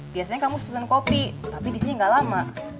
biasanya kamus pesen kopi tapi disini gak lama